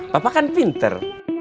papa kan pinter